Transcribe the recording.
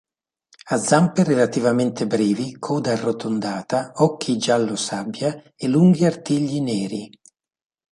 Ha zampe relativamente brevi, coda arrotondata, occhi giallo-sabbia e lunghi artigli neri.